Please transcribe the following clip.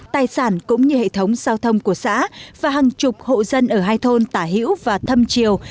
tài sản cũng như hệ thống giao thông của xã và hàng chục hộ dân ở hai thôn tả hiễu và thâm triều